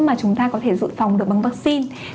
mà chúng ta có thể dự phòng được bằng vaccine